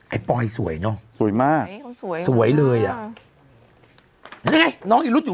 ไอ้ป้อยสวยเนาะสวยมากสวยสวยเลยอ่ะนี่ไงน้องอีฤทธิ์อยู่